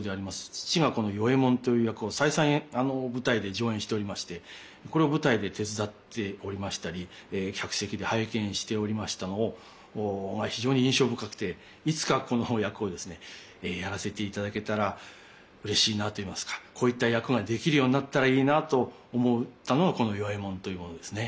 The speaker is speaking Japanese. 父がこの与右衛門という役を再三舞台で上演しておりましてこれを舞台で手伝っておりましたり客席で拝見しておりましたのを非常に印象深くていつかこのお役をですねやらせていただけたらうれしいなといいますかこういった役ができるようになったらいいなと思ったのがこの与右衛門というものですね。